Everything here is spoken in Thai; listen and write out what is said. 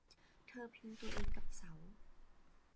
เธอพิงตัวเองกับเสา